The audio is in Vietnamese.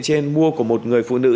trên mua của một người phụ nữ